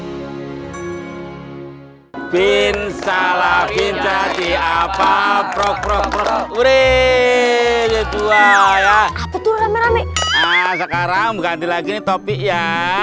hai bin salah bin zadi apa prok prok ure dua ya betul ramai ramai sekarang ganti lagi topik ya